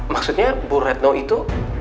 maksudnya bu retno itu